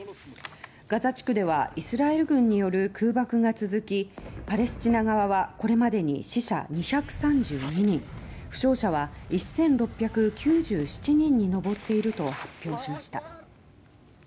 ガザ地区ではイスラエル軍による空爆が続きパレスチナ側はこれまでに死者２３２人負傷者は１６９７人に上っていると発表しました。